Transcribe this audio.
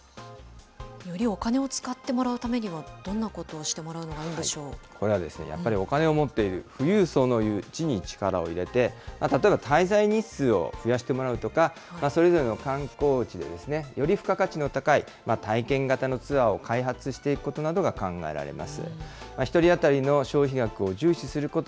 よりお金を使ってもらうためには、どんなことをしてもらうここれはですね、やっぱりお金を持っている富裕層の誘致に力を入れて、例えば滞在日数を増やしてもらうとか、それぞれの観光地でより付加価値の高い体験型のツアーを開発していくことなどが考えられます。